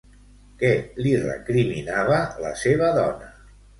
Què li recriminava la seva dona?